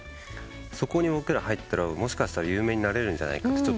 そこに僕ら入ったらもしかしたら有名になれるんじゃないかって。